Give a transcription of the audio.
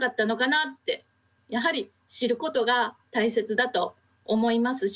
やはり知ることが大切だと思いますし。